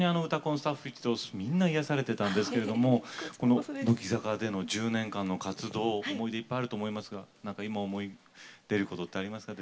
スタッフ一同みんな癒やされてたんですけど乃木坂での１０年間の活動思い出、いっぱいあると思いますが何か今、思い出ってありますか？